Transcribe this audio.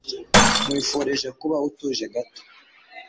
Nkwifurije kuba utuje gato.